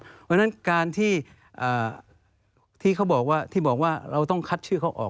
เพราะฉะนั้นการที่เขาบอกว่าที่บอกว่าเราต้องคัดชื่อเขาออก